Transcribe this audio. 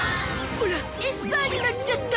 オラエスパーになっちゃった！